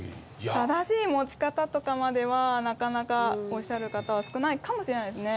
正しい持ち方とかまではなかなかおっしゃる方は少ないかもしれないですね。